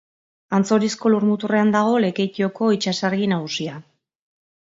Antzorizko lurmuturrean dago Lekeitioko itsasargi nagusia.